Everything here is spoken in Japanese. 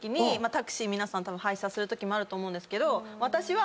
タクシー皆さん配車するときもあると思うんですけど私は。